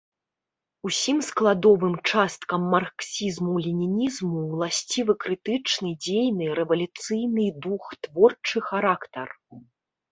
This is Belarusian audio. Усім складовым часткам марксізму-ленінізму ўласцівы крытычны, дзейны, рэвалюцыйны дух, творчы характар.